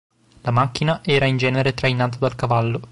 La macchina era in genere trainata dal cavallo.